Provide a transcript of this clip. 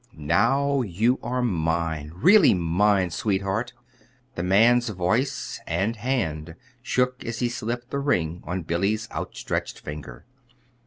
"Now you are mine really mine, sweetheart!" The man's voice and hand shook as he slipped the ring on Billy's outstretched finger.